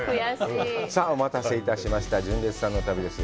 さあ、お待たせいたしました、純烈さんの旅です。